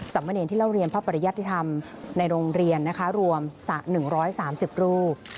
สัมเงินที่เล่าเรียนพระปริญญัติธรรมในโรงเรียนรวม๑๓๐รู